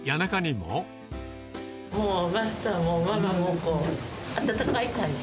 もうマスターもママも温かい感じ。